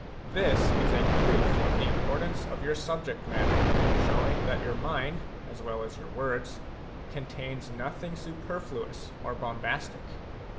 This is a proof of the importance of your subject matter, showing that your mind, as well as your words, contains nothing superfluous or bombastic.